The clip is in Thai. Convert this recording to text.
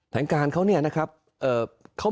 ทางการเขาเนี่ยนะครับ